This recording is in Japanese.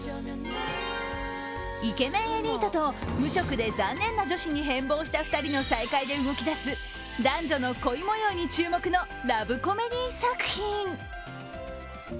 イケメンエリートと無職で残念な女子に変貌した２人の男女の恋模様に注目のラブコメディー作品。